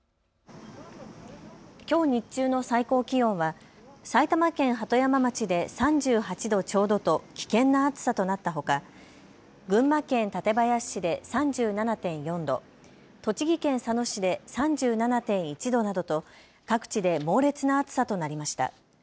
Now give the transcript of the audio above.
きょう日中の最高気温は埼玉県鳩山町で３８度ちょうどと危険な暑さとなったほか群馬県館林市で３７．４度、栃木県佐野市で３７．１度などと各地で猛烈な暑さとなりました。